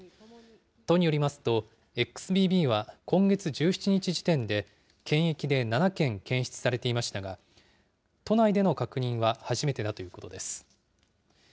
都によりますと、ＸＢＢは今月１７日時点で、検疫で７件検出されていましたが、都内での確認は初めてだということです。